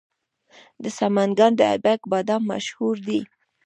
د سمنګان د ایبک بادام مشهور دي.